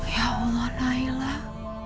ya allah nailah